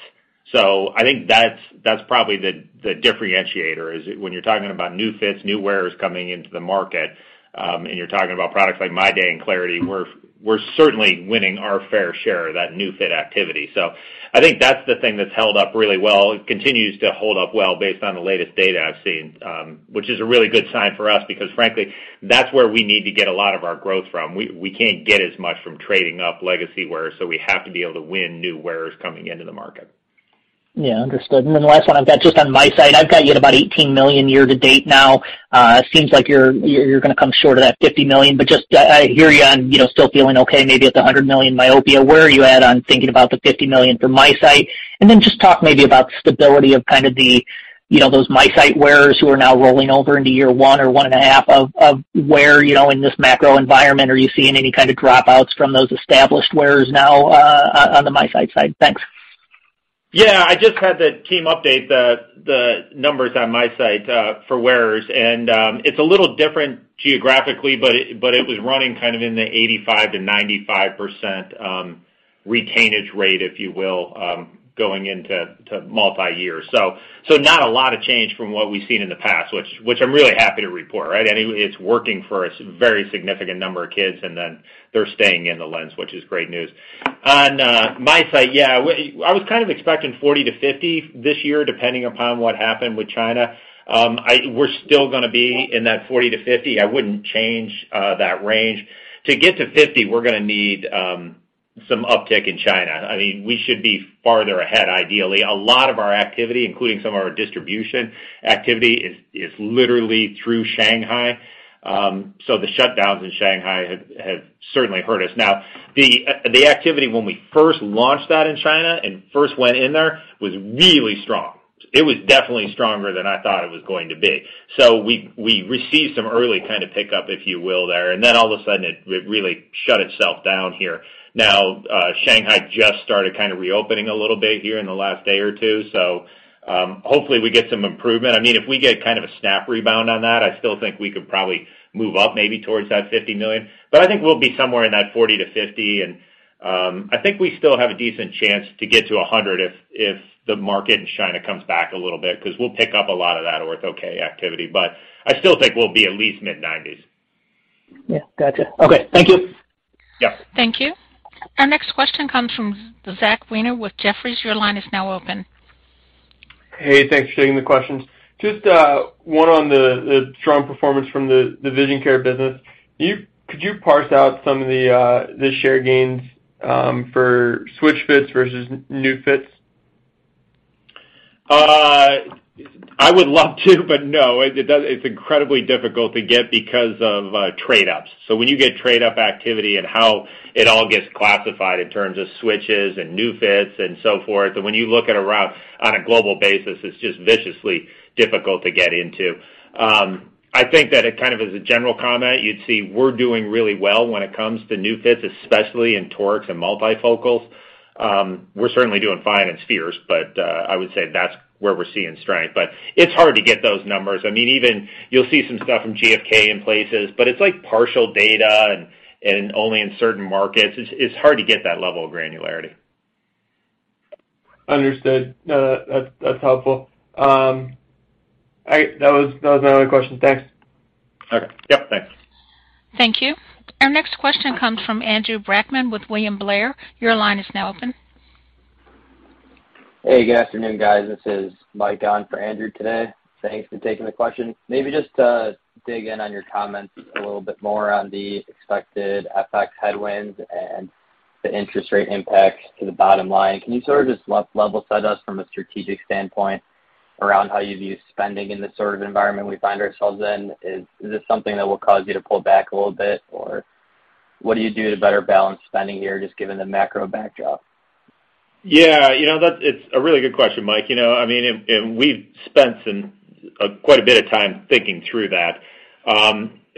I think that's probably the differentiator is when you're talking about new fits, new wearers coming into the market, and you're talking about products like MyDay and clariti, we're certainly winning our fair share of that new fit activity. I think that's the thing that's held up really well. It continues to hold up well based on the latest data I've seen, which is a really good sign for us, because frankly, that's where we need to get a lot of our growth from. We can't get as much from trading up legacy wear, so we have to be able to win new wearers coming into the market. Yeah, understood. The last one I've got just on MiSight. I've got you at about $18 million year to date now. It seems like you're gonna come short of that $50 million, but just, I hear you on, you know, still feeling okay, maybe at the $100 million myopia. Where are you at on thinking about the $50 million for MiSight? Just talk maybe about stability of kind of the, you know, those MiSight wearers who are now rolling over into year one or one and a half of wear, you know, in this macro environment. Are you seeing any kind of dropouts from those established wearers now, on the MiSight side? Thanks. I just had the team update the numbers on MiSight for wearers, and it's a little different geographically, but it was running kind of in the 85%-95% retention rate, if you will, going into multi-year. So not a lot of change from what we've seen in the past, which I'm really happy to report, right? It's working for a very significant number of kids, and then they're staying in the lens, which is great news. On MiSight, yeah, I was kind of expecting 40-50 this year, depending upon what happened with China. We're still gonna be in that 40-50. I wouldn't change that range. To get to 50, we're gonna need some uptick in China. I mean, we should be farther ahead, ideally. A lot of our activity, including some of our distribution activity, is literally through Shanghai. The shutdowns in Shanghai have certainly hurt us. Now, the activity when we first launched that in China and first went in there was really strong. It was definitely stronger than I thought it was going to be. We received some early kind of pickup, if you will, there, and then all of a sudden it really shut itself down here. Now, Shanghai just started kind of reopening a little bit here in the last day or two, hopefully we get some improvement. I mean, if we get kind of a snap rebound on that, I still think we could probably move up maybe towards that $50 million. I think we'll be somewhere in that $40 million-$50 million. I think we still have a decent chance to get to 100 if the market in China comes back a little bit, because we'll pick up a lot of that Ortho-K activity. I still think we'll be at least mid-90s. Yeah. Gotcha. Okay. Thank you. Yeah. Thank you. Our next question comes from Zachary Weiner with Jefferies. Your line is now open. Hey, thanks for taking the questions. Just one on the strong performance from the vision care business. Could you parse out some of the share gains for switch fits versus new fits? I would love to, but no, it's incredibly difficult to get because of trade ups. When you get trade up activity and how it all gets classified in terms of switches and new fits and so forth, and when you look around on a global basis, it's just viciously difficult to get into. I think that it kind of is a general comment. You'd see we're doing really well when it comes to new fits, especially in torics and multifocals. We're certainly doing fine in spheres, but I would say that's where we're seeing strength. It's hard to get those numbers. I mean, even you'll see some stuff from GfK in places, but it's like partial data and only in certain markets. It's hard to get that level of granularity. Understood. No, that's helpful. That was my only question. Thanks. Okay. Yep. Thanks. Thank you. Our next question comes from Andrew Brackmann with William Blair. Your line is now open. Hey, good afternoon, guys. This is Mike on for Andrew today. Thanks for taking the question. Maybe just to dig in on your comments a little bit more on the expected FX headwinds and the interest rate impacts to the bottom line. Can you sort of just level set us from a strategic standpoint around how you view spending in this sort of environment we find ourselves in? Is this something that will cause you to pull back a little bit? Or what do you do to better balance spending here, just given the macro backdrop? Yeah, you know, that's a really good question, Mike. You know, I mean, and we've spent quite a bit of time thinking through that.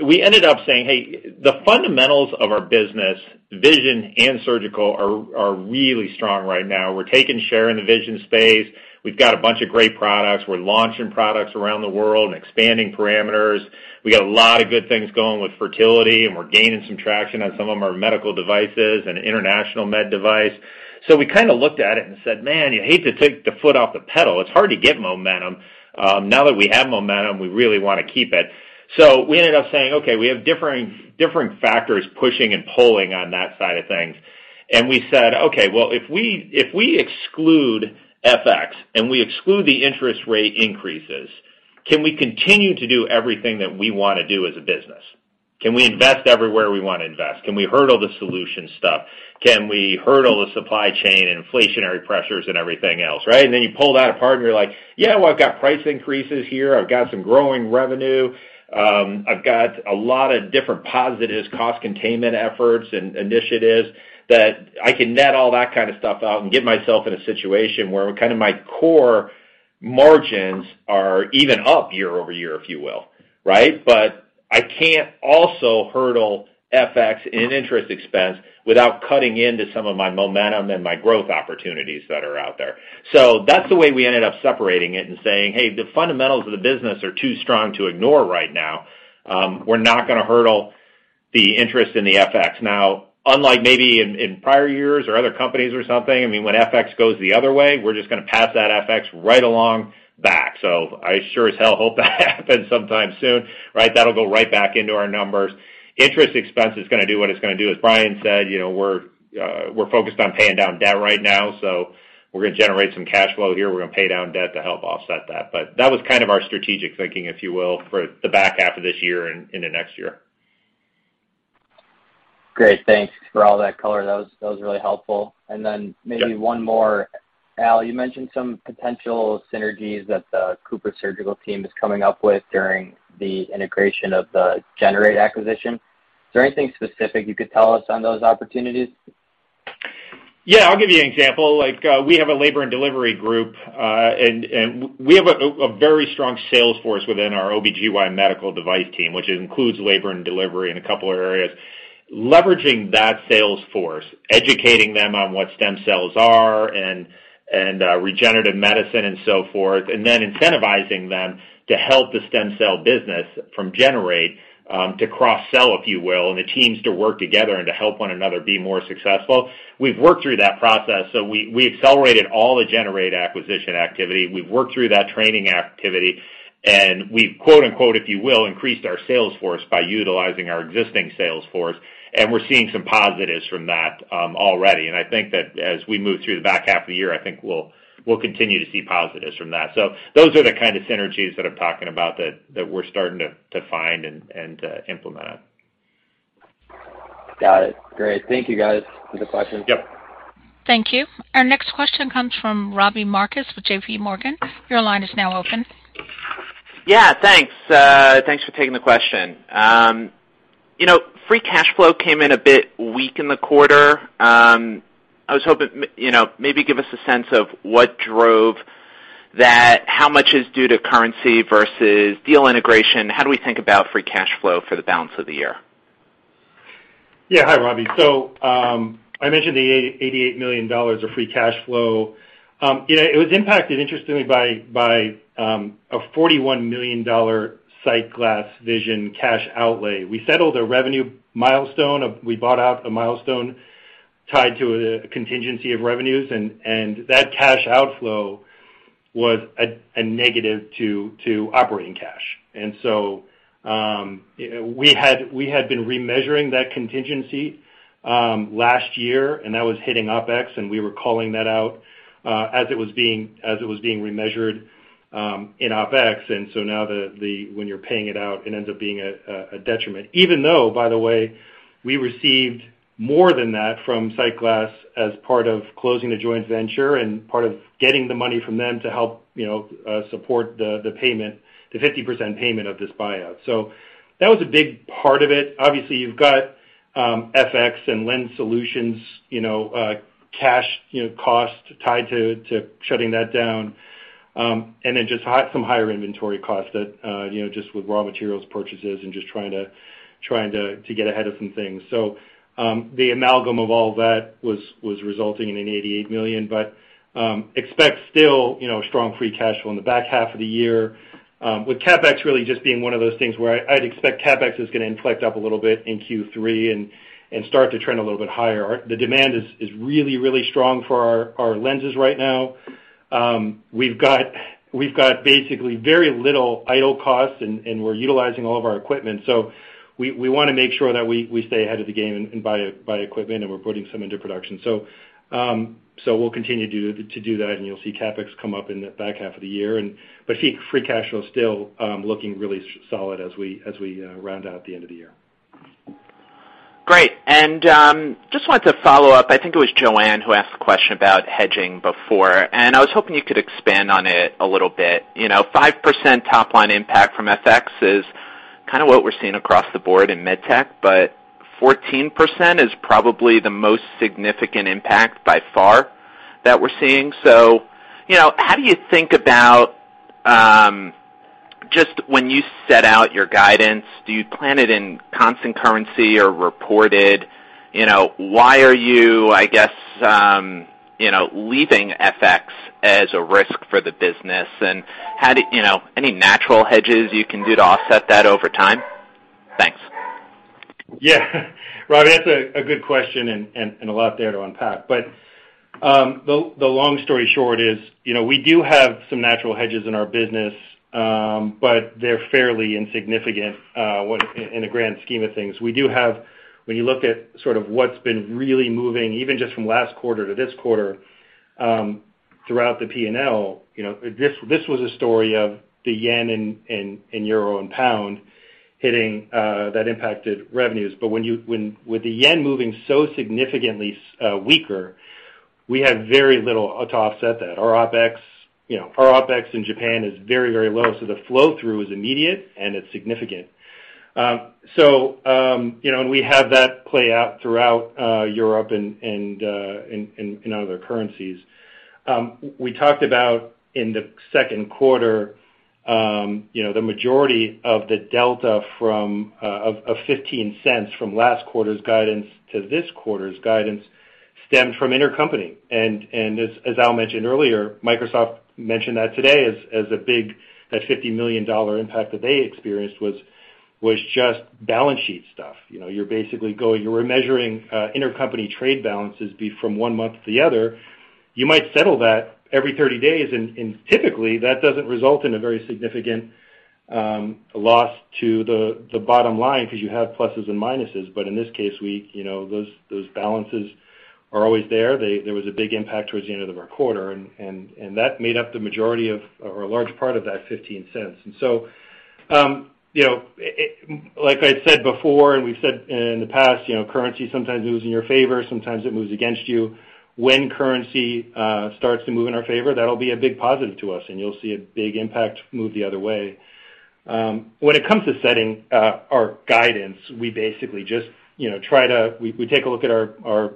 We ended up saying, "Hey, the fundamentals of our business, vision and surgical, are really strong right now." We're taking share in the vision space. We've got a bunch of great products. We're launching products around the world and expanding parameters. We got a lot of good things going with fertility, and we're gaining some traction on some of our medical devices and international med device. We kind of looked at it and said, "Man, you hate to take the foot off the pedal." It's hard to get momentum. Now that we have momentum, we really wanna keep it. We ended up saying, "Okay, we have different factors pushing and pulling on that side of things." We said, "Okay, well, if we exclude FX and we exclude the interest rate increases, can we continue to do everything that we wanna do as a business? Can we invest everywhere we wanna invest? Can we hurdle the solution stuff? Can we hurdle the supply chain and inflationary pressures and everything else," right? Then you pull that apart and you're like, "Yeah, well, I've got price increases here. I've got some growing revenue. I've got a lot of different positives, cost containment efforts and initiatives that I can net all that kind of stuff out and get myself in a situation where kind of my core margins are even up year-over-year, if you will," right? I can't also hurdle FX and interest expense without cutting into some of my momentum and my growth opportunities that are out there. That's the way we ended up separating it and saying, "Hey, the fundamentals of the business are too strong to ignore right now. We're not gonna hurdle the interest and the FX." Unlike maybe in prior years or other companies or something, I mean, when FX goes the other way, we're just gonna pass that FX right along back. I sure as hell hope that happens sometime soon, right? That'll go right back into our numbers. Interest expense is gonna do what it's gonna do. As Brian said, you know, we're focused on paying down debt right now, so we're gonna generate some cash flow here. We're gonna pay down debt to help offset that. That was kind of our strategic thinking, if you will, for the back half of this year and into next year. Great. Thanks for all that color. That was really helpful. Maybe one more. Al, you mentioned some potential synergies that the CooperSurgical team is coming up with during the integration of the Generate acquisition. Is there anything specific you could tell us on those opportunities? Yeah, I'll give you an example. Like, we have a labor and delivery group, and we have a very strong sales force within our OBGYN medical device team, which includes labor and delivery in a couple of areas. Leveraging that sales force, educating them on what stem cells are and regenerative medicine and so forth, and then incentivizing them to help the stem cell business from Generate, to cross-sell, if you will, and the teams to work together and to help one another be more successful. We've worked through that process, so we accelerated all the Generate acquisition activity. We've worked through that training activity, and we've quote, unquote, if you will, increased our sales force by utilizing our existing sales force, and we're seeing some positives from that, already. I think that as we move through the back half of the year, I think we'll continue to see positives from that. Those are the kind of synergies that I'm talking about that we're starting to find and implement on. Got it. Great. Thank you, guys, for the questions. Yep. Thank you. Our next question comes from Robbie Marcus with JPMorgan. Your line is now open. Yeah, thanks. Thanks for taking the question. You know, free cash flow came in a bit weak in the quarter. I was hoping, you know, maybe give us a sense of what drove that, how much is due to currency versus deal integration. How do we think about free cash flow for the balance of the year? Yeah. Hi, Robbie. I mentioned the $88 million of free cash flow. You know, it was impacted interestingly by a $41 million SightGlass Vision cash outlay. We settled a revenue milestone. We bought out a milestone tied to a contingency of revenues, and that cash outflow was a negative to operating cash. We had been remeasuring that contingency last year, and that was hitting OpEx, and we were calling that out as it was being remeasured in OpEx. Now, when you're paying it out, it ends up being a detriment. Even though, by the way, we received more than that from SightGlass Vision as part of closing the joint venture and part of getting the money from them to help, you know, support the payment, the 50% payment of this buyout. That was a big part of it. Obviously, you've got FX and lens solutions, you know, cash, you know, cost tied to shutting that down. Then just some higher inventory costs that, you know, just with raw materials purchases and just trying to get ahead of some things. The amalgam of all that was resulting in $88 million, but expect still, you know, strong free cash flow in the back half of the year, with CapEx really just being one of those things where I'd expect CapEx is gonna inflect up a little bit in Q3 and start to trend a little bit higher. The demand is really strong for our lenses right now. We've got basically very little idle costs, and we're utilizing all of our equipment. We wanna make sure that we stay ahead of the game and buy equipment, and we're putting some into production. We'll continue to do that, and you'll see CapEx come up in the back half of the year, but see free cash flow still looking really solid as we round out the end of the year. Great. Just wanted to follow up. I think it was Joanne who asked the question about hedging before, and I was hoping you could expand on it a little bit. You know, 5% top line impact from FX is kinda what we're seeing across the board in med tech, but 14% is probably the most significant impact by far that we're seeing. You know, how do you think about just when you set out your guidance, do you plan it in constant currency or reported? You know, why are you, I guess, you know, leaving FX as a risk for the business? You know, any natural hedges you can do to offset that over time? Thanks. Yeah. Robbie, that's a good question and a lot there to unpack. The long story short is, you know, we do have some natural hedges in our business, but they're fairly insignificant in the grand scheme of things. We do have, when you look at sort of what's been really moving, even just from last quarter to this quarter, throughout the P&L, you know, this was a story of the yen and euro and pound hitting that impacted revenues. When with the yen moving so significantly weaker, we have very little to offset that. Our OpEx, you know, our OpEx in Japan is very, very low, so the flow-through is immediate, and it's significant. You know, we have that play out throughout Europe and in other currencies. We talked about in the second quarter, you know, the majority of the delta from $0.15 from last quarter's guidance to this quarter's guidance stemmed from intercompany. As Al mentioned earlier, Microsoft mentioned that today as a big $50 million impact that they experienced was just balance sheet stuff. You know, you're basically going. You were measuring intercompany trade balances from one month to the other. You might settle that every 30 days, and typically, that doesn't result in a very significant loss to the bottom line because you have pluses and minuses. In this case, you know, those balances are always there. There was a big impact towards the end of our quarter, and that made up the majority of or a large part of that $0.15. You know, like I said before, and we've said in the past, you know, currency sometimes moves in your favor, sometimes it moves against you. When currency starts to move in our favor, that'll be a big positive to us, and you'll see a big impact move the other way. When it comes to setting our guidance, we basically just, you know, try to. We take a look at our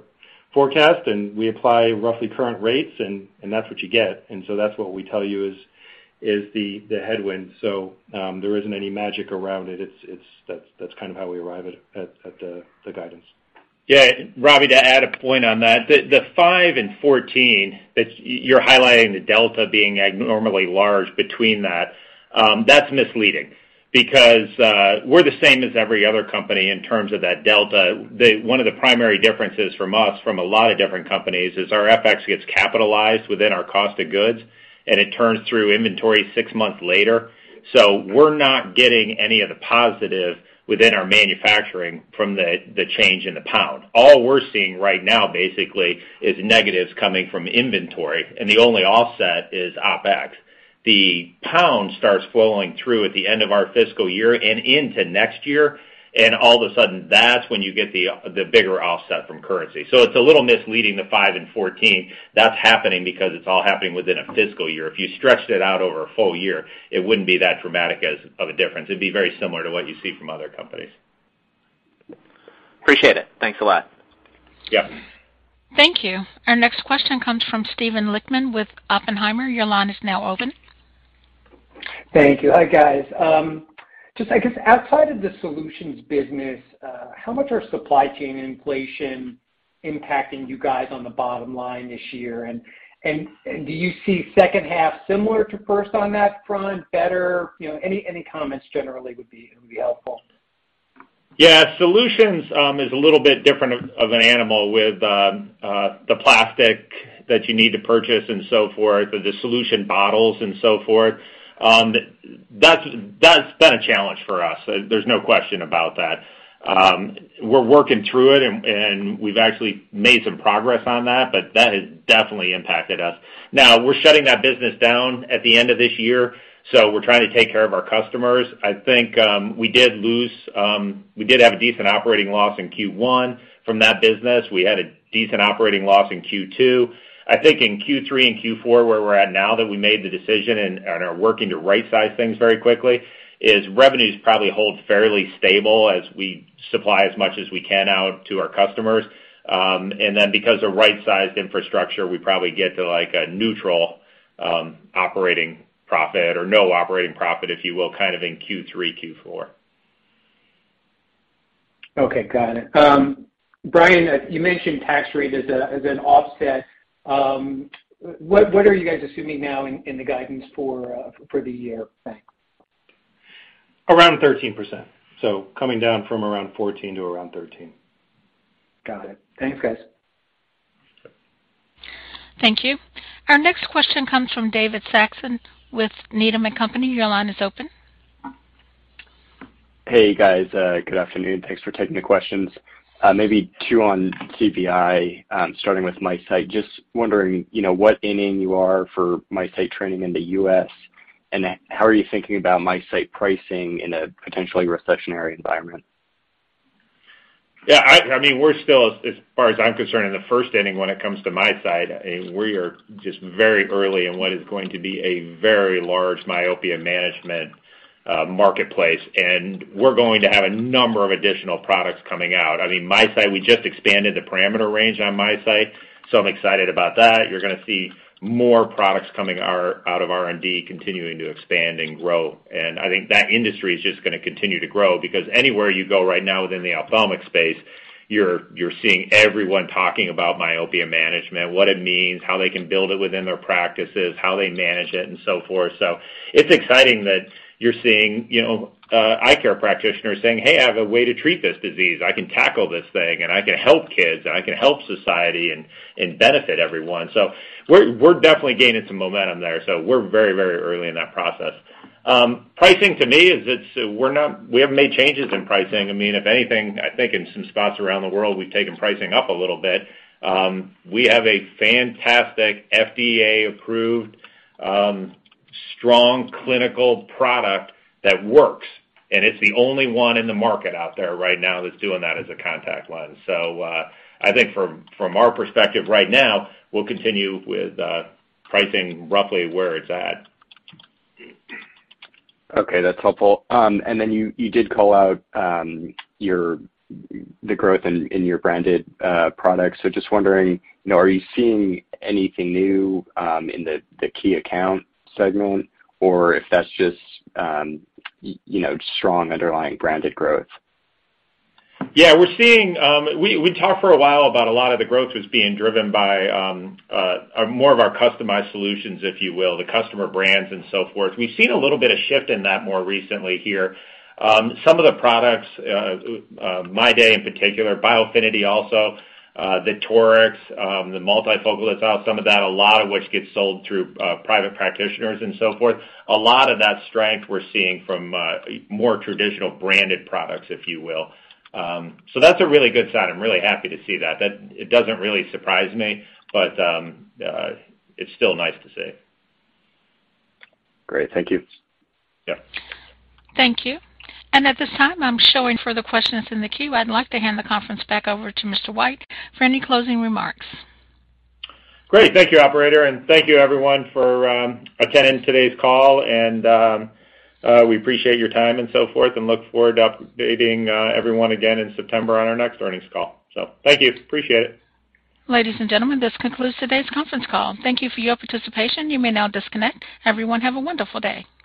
forecast, and we apply roughly current rates, and that's what you get. That's what we tell you is the headwind. There isn't any magic around it. That's kind of how we arrive at the guidance. Yeah. Robbie Marcus, to add a point on that. The 5 and 14 that you're highlighting, the delta being abnormally large between that's misleading. Because we're the same as every other company in terms of that delta. One of the primary differences from us from a lot of different companies is our FX gets capitalized within our cost of goods, and it turns through inventory 6 months later. So we're not getting any of the positive within our manufacturing from the change in the pound. All we're seeing right now basically is negatives coming from inventory, and the only offset is OpEx. The pound starts flowing through at the end of our fiscal year and into next year, and all of a sudden, that's when you get the bigger offset from currency. So it's a little misleading, the 5 and 14. That's happening because it's all happening within a fiscal year. If you stretched it out over a full year, it wouldn't be that dramatic as much of a difference. It'd be very similar to what you see from other companies. Appreciate it. Thanks a lot. Yeah. Thank you. Our next question comes from Steven Lichtman with Oppenheimer. Your line is now open. Thank you. Hi, guys. Just I guess, outside of the solutions business, how much are supply chain inflation impacting you guys on the bottom line this year? Do you see second half similar to first on that front, better? You know, any comments generally would be helpful. Yeah. Solutions is a little bit different of an animal with the plastic that you need to purchase and so forth, or the solution bottles and so forth. That's been a challenge for us. There's no question about that. We're working through it and we've actually made some progress on that, but that has definitely impacted us. Now, we're shutting that business down at the end of this year, so we're trying to take care of our customers. I think we did have a decent operating loss in Q1 from that business. We had a decent operating loss in Q2. I think in Q3 and Q4, where we're at now that we made the decision and are working to rightsize things very quickly, is revenues probably hold fairly stable as we supply as much as we can out to our customers. Because of rightsized infrastructure, we probably get to like a neutral operating profit or no operating profit, if you will, kind of in Q3, Q4. Okay, got it. Brian, you mentioned tax rate as an offset. What are you guys assuming now in the guidance for the year? Thanks. Around 13%. Coming down from around 14% to around 13%. Got it. Thanks, guys. Thank you. Our next question comes from David Saxon with Needham & Company. Your line is open. Hey, guys. Good afternoon. Thanks for taking the questions. Maybe two on CVI, starting with MiSight. Just wondering, you know, what inning you are for MiSight training in the U.S., and how are you thinking about MiSight pricing in a potentially recessionary environment? Yeah, I mean, we're still, as far as I'm concerned, in the first inning when it comes to MiSight. I mean, we are just very early in what is going to be a very large myopia management marketplace, and we're going to have a number of additional products coming out. I mean, MiSight, we just expanded the parameter range on MiSight, so I'm excited about that. You're gonna see more products coming out of R&D continuing to expand and grow. I think that industry is just gonna continue to grow because anywhere you go right now within the ophthalmic space, you're seeing everyone talking about myopia management, what it means, how they can build it within their practices, how they manage it, and so forth. It's exciting that you're seeing, you know, eye care practitioners saying, "Hey, I have a way to treat this disease. I can tackle this thing, and I can help kids, and I can help society and benefit everyone." We're definitely gaining some momentum there. We're very early in that process. Pricing to me is, we're not, we haven't made changes in pricing. I mean, if anything, I think in some spots around the world, we've taken pricing up a little bit. We have a fantastic FDA-approved strong clinical product that works, and it's the only one in the market out there right now that's doing that as a contact lens. I think from our perspective right now, we'll continue with pricing roughly where it's at. Okay, that's helpful. You did call out the growth in your branded products. Just wondering, you know, are you seeing anything new in the key account segment or if that's just you know, strong underlying branded growth? Yeah, we're seeing. We talked for a while about a lot of the growth was being driven by more of our customized solutions, if you will, the customer brands and so forth. We've seen a little bit of shift in that more recently here. Some of the products, MyDay in particular, Biofinity also, the Torics, the multifocal that's out, some of that, a lot of which gets sold through private practitioners and so forth. A lot of that strength we're seeing from more traditional branded products, if you will. That's a really good sign. I'm really happy to see that. That it doesn't really surprise me, but it's still nice to say. Great. Thank you. Yeah. Thank you. At this time, I'm showing further questions in the queue. I'd like to hand the conference back over to Mr. White for any closing remarks. Great. Thank you, operator, and thank you everyone for attending today's call and we appreciate your time and so forth and look forward to updating everyone again in September on our next earnings call. Thank you. Appreciate it. Ladies and gentlemen, this concludes today's conference call. Thank you for your participation. You may now disconnect. Everyone have a wonderful day.